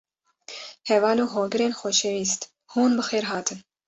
Heval û Hogirên Xoşewîst, hûn bi xêr hatin